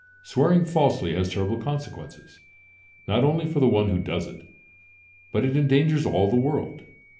Swearing falsely has terrible consequences not only for the one who does it, but it endangers all the world.